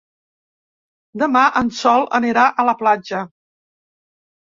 Demà en Sol anirà a la platja.